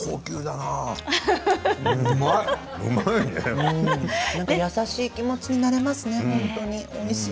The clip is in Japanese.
なんか優しい気持ちになれますね。